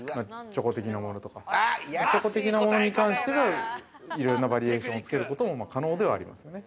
チョコ的なものに関して、いろんなバリエーションをつけることも、可能ではありますね。